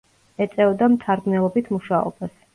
ეწეოდა მთარგმნელობით მუშაობას.